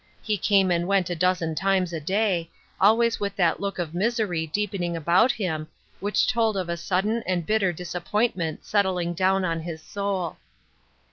He came and went a dozen times a day, always with that look of misery deepening about him, which told of a sudden and bitter dis appointment settling down on his soul.